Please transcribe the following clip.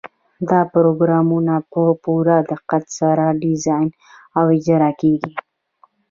دا پروګرامونه په پوره دقت سره ډیزاین او اجرا کیږي.